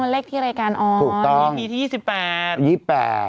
อ๋อเลขที่รายการออนนี่มีที่๒๘ถูกต้อง